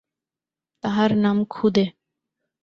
তাহার নাম খুদে।